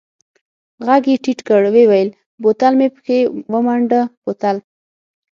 ږغ يې ټيټ کړ ويې ويل بوتل مې پکښې ومنډه بوتل.